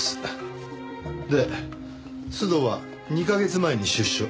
で須藤は２カ月前に出所。